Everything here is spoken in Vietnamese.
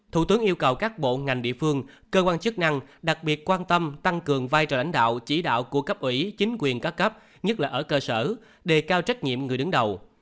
thủ tướng yêu cầu các bộ ngành địa phương cơ quan chức năng đặc biệt quan tâm tăng cường vai trò lãnh đạo chỉ đạo của cấp ủy chính quyền các cấp nhất là ở cơ sở đề cao trách nhiệm người đứng đầu